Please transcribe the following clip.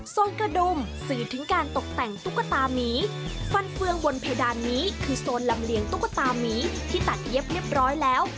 โซนกระดุมสื่อถึงการตกแต่งตุ๊กตามีฟันเฟืองบนเพดานนี้คือโซนลำเลียงตุ๊กตามีที่ตัดเย็บเรียบร้อยแล้ว